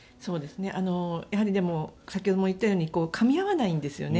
やはり先ほども言ったようにかみ合わないんですよね。